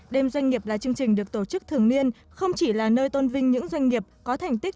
đêm doanh nghiệp là chương trình được tổ chức thường niên không chỉ là nơi tôn vinh những doanh nghiệp có thành tích